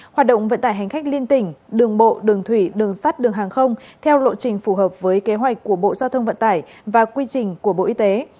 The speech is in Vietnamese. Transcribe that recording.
hoạt động vận tải hành khách liên tỉnh đường bộ đường thủy đường sắt đường hàng không theo lộ trình phù hợp với kế hoạch của bộ giao thông vận tải và quy trình của bộ y tế